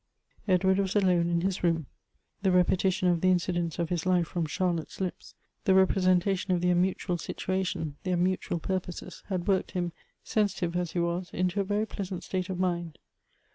EDWARD was alone in his room. The repetition of the incidents of his life from Charlotte's lips; the repesentation of their mntual situation, their mutual pur poses ; had worked him, sensitive as he was, into a very pleasant state of mind.